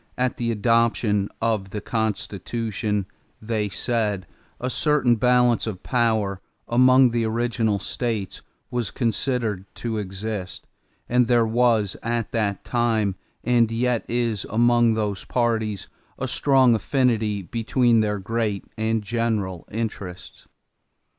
"At the adoption of the Constitution," they said, "a certain balance of power among the original states was considered to exist, and there was at that time and yet is among those parties a strong affinity between their great and general interests.